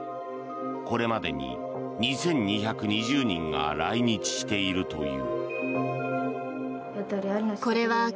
これまでに２２２０人が来日しているという。